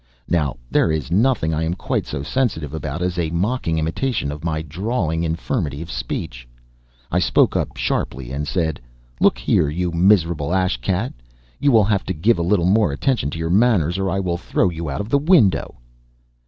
Now there is nothing I am quite so sensitive about as a mocking imitation of my drawling infirmity of speech. I spoke up sharply and said: "Look here, you miserable ash cat! you will have to give a little more attention to your manners, or I will throw you out of the window!"